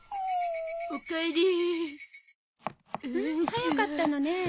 早かったのね。